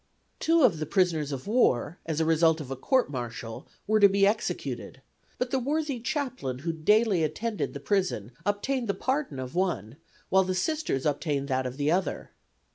Two of the prisoners of war, as the result of a court martial, were to be executed, but the worthy chaplain who daily attended the prison obtained the pardon of one, while the Sisters obtained that of the other.